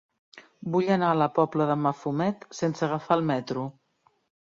Vull anar a la Pobla de Mafumet sense agafar el metro.